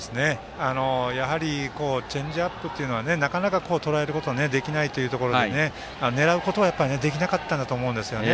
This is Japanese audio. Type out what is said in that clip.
やはりチェンジアップはなかなかとらえることができないということで狙うことはできなかったんだと思うんですね。